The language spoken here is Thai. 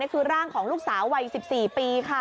คือร่างของลูกสาววัย๑๔ปีค่ะ